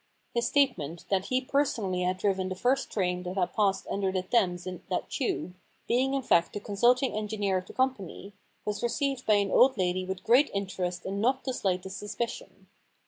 His statement that he personally had driven the first train that had passed under the Thames in that tube, being in fact the consulting engineer of the company, was received by an old lady with great interest and not the slightest suspicion.